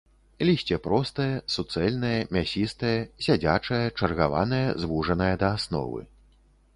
Лісце простае, суцэльнае, мясістае, сядзячае, чаргаванае, звужанае да асновы.